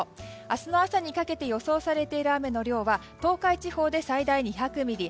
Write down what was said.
明日の朝にかけて予想されている雨の量は東海地方で最大２００ミリ